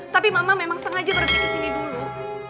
tapi mama memang sengaja berhenti kesini dulu